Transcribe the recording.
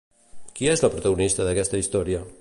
Qui és la protagonista d'aquesta història?